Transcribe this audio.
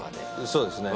そうですね。